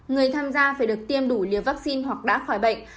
người tham gia phải được tiêm đủ liều vaccine hoặc đã khỏi bệnh